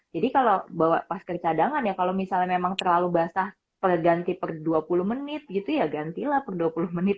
jadi kalau bawa masker cadangan ya kalau misalnya memang terlalu basah per ganti per dua puluh menit gitu ya gantilah per dua puluh menit